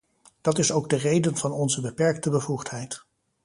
Dat is ook de reden van onze beperkte bevoegdheid.